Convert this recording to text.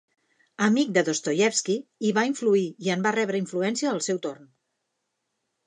Amic de Dostoievski, hi va influir i en va rebre influència al seu torn.